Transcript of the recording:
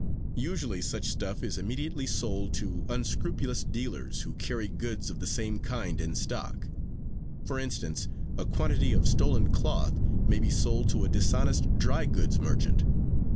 Usually such stuff is immediately sold to unscrupulous dealers who carry goods of the same kind in stock; for instance, a quantity of stolen cloth may be sold to a dishonest dry goods merchant.